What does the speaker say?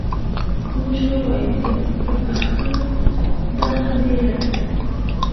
موږ وویل پر پښتنو دا هم ډېره ده.